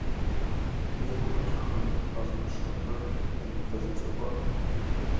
Naval Academy as an instructor in the Physics Department.